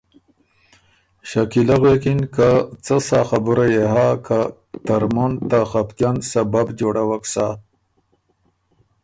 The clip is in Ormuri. شکیلۀ غوېکِن که ”څه سا خبُره يې هۀ که ترمُن ته خپتئن سبب جوړَوَک سۀ“